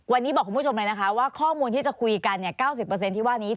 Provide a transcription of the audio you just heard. วันนี้บอกคุณผู้ชมเลยนะคะว่าข้อมูลที่จะคุยกัน๙๐ที่ว่านี้